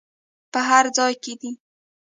په هر ځای کې دې.